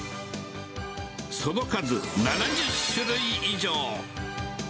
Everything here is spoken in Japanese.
その数、７０種類以上。